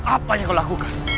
apa yang kau lakukan